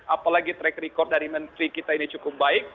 apalagi track record dari menteri kita ini cukup baik